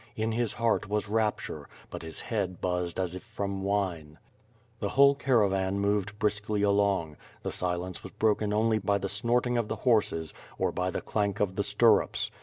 In his heart was rapture; but his head buzzed as if from wine. The whole caravan moved briskly along. The silence was broken only by the snorting of the horses, or by the clank of the stirrups.